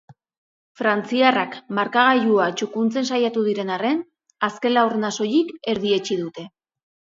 Frantziarrak markagailua txukuntzen saiatu diren arren, azken laurdena soilik erdietsi dute.